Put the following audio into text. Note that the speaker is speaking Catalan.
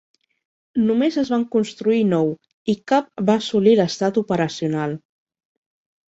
Només es van construir nou i cap va assolit l'estat operacional.